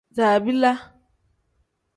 Zabiila.